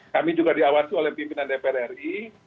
kami juga diawasi oleh pimpinan dpr ri